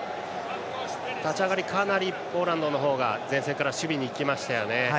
立ち上がり、かなりポーランドの方が前線から守備に行きましたよね。